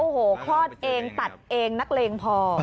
โอ้โหคลอดเองตัดเองนักเลงพอ